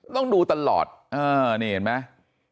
ต้องดูตลอดนี่เห็นไหม